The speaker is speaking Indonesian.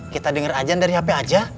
kita dengar ajan dari hp saja